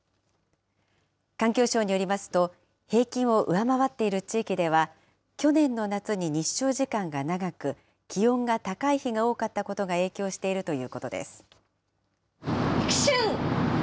環境省によりますと、平均を上回っている地域では、去年の夏に日照時間が長く、気温が高い日が多かったことが影響しているということです。